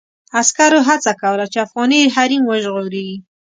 عسکرو هڅه کوله چې افغاني حريم وژغوري.